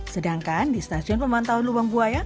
sedangkan di stasiun pemantauan lubang buaya